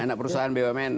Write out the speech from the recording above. anak perusahaan bumn